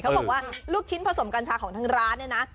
เขาบอกว่าลูกชิ้นผสมกัญชาของทางร้านเนี่ยนะ